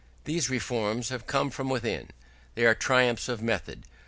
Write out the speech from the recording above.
These reforms have come from within: they are triumphs of method.